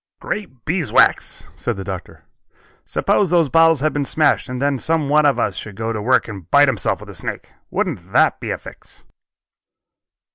"Great Beeswax!" said the Doctor, "suppose those bottles had been smashed and then some one of us should go to work and bite himself with a snake! Wouldn't that be a fix?"